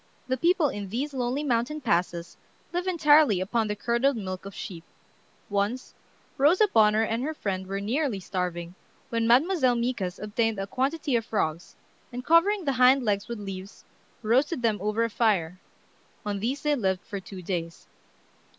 The people in these lonely mountain passes live entirely upon the curdled milk of sheep. Once Rosa Bonheur and her friend were nearly starving, when Mademoiselle Micas obtained a quantity of frogs, and covering the hind legs with leaves, roasted them over a fire. On these they lived for two days.